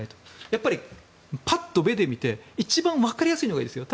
やっぱりパッと目で見て一番わかりやすいのがいいです。